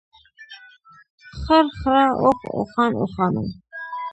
خر، خره، اوښ ، اوښان ، اوښانو .